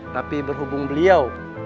tapi berhubung beliau